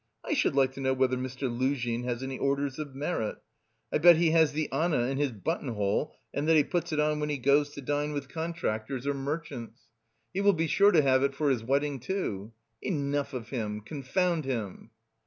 I should like to know whether Mr. Luzhin has any orders of merit; I bet he has the Anna in his buttonhole and that he puts it on when he goes to dine with contractors or merchants. He will be sure to have it for his wedding, too! Enough of him, confound him!